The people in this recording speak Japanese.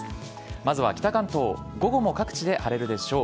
まずは北関東午後も各地で晴れるでしょう。